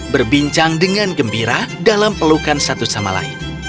berbincang dengan gembira dalam pelukan satu sama lain